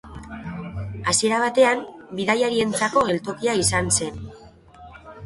Hasiera batean bidaiarientzako geltokia izan zen.